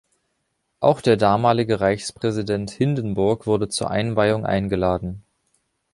Auch der damalige Reichspräsident Hindenburg wurde zur Einweihung eingeladen.